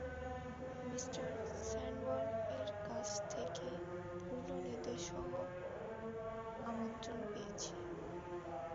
Me স্যানবর্ন-এর কাছ থেকে পূর্ণ নির্দেশসহ আমন্ত্রণ পেয়েছি।